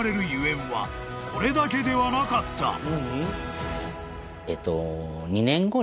［はこれだけではなかった］